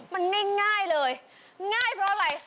มันง่ายเลยง่ายเพราะอะไร